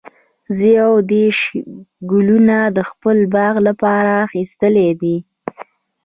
زه یو دیرش ګلونه د خپل باغ لپاره اخیستي دي.